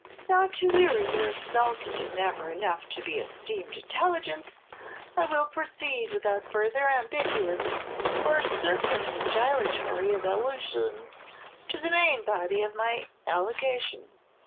"'Not to weary your exalted and never enough to be esteemed intelligence, I will proceed, without further ambiguous or circumgyratory evolutions, to the main body of my allegation.